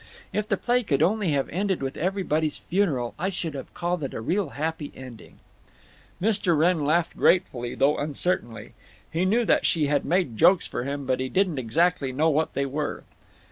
If the play could only have ended with everybody's funeral I should have called it a real happy ending." Mr. Wrenn laughed gratefully, though uncertainly. He knew that she had made jokes for him, but he didn't exactly know what they were.